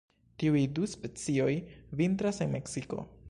Tiuj du subspecioj vintras en Meksiko.